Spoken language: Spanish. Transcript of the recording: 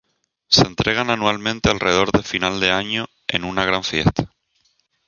Se entregan anualmente alrededor de final de año en una gran fiesta.